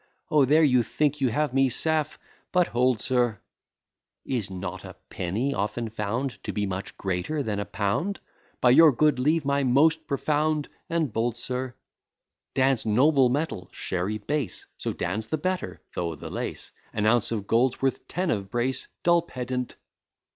O there you think you have me safe! But hold, sir; Is not a penny often found To be much greater than a pound! By your good leave, my most profound and bold sir, Dan's noble metal, Sherry base; So Dan's the better, though the less, An ounce of gold's worth ten of brass, dull pedant!